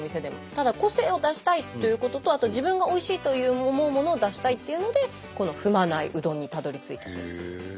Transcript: ただ個性を出したいということとあと自分がおいしいと思うものを出したいっていうのでこの踏まないうどんにたどりついたそうです。